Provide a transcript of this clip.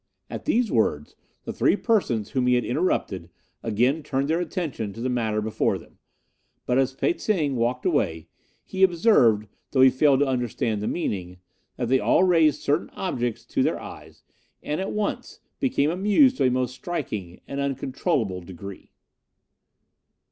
"At these words the three persons whom he had interrupted again turned their attention to the matter before them; but as Pe tsing walked away, he observed, though he failed to understand the meaning, that they all raised certain objects to their eyes, and at once became amused to a most striking and uncontrollable degree."